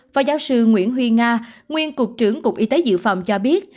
phó giáo sư nguyễn huy nga nguyên cục trưởng cục y tế dự phòng cho biết